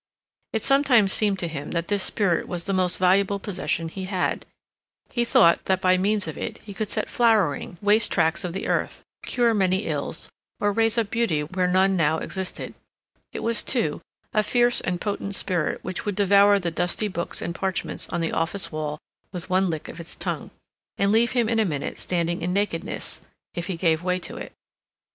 It sometimes seemed to him that this spirit was the most valuable possession he had; he thought that by means of it he could set flowering waste tracts of the earth, cure many ills, or raise up beauty where none now existed; it was, too, a fierce and potent spirit which would devour the dusty books and parchments on the office wall with one lick of its tongue, and leave him in a minute standing in nakedness, if he gave way to it.